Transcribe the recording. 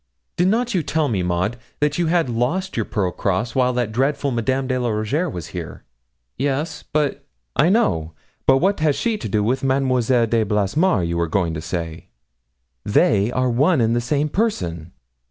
"' 'Did not you tell me, Maud, that you had lost your pearl cross while that dreadful Madame de la Rougierre was here?' 'Yes; but ' 'I know; but what has she to do with Mademoiselle de Blassemare, you were going to say they are one and the same person.'